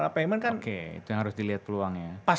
oke itu yang harus dilihat peluangnya